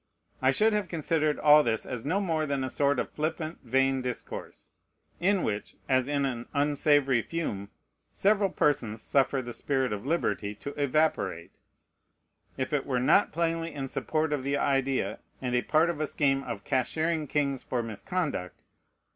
I should have considered all this as no more than a sort of flippant, vain discourse, in which, as in an unsavory fume, several persons suffer the spirit of liberty to evaporate, if it were not plainly in support of the idea, and a part of the scheme, of "cashiering kings for misconduct."